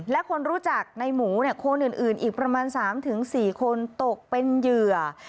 และคนรู้จักในหมูคนอื่นอีกประมาณ๓๔คนตกเป็นเหยื่อ